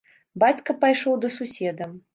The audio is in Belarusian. Бацька пайшоў да суседа.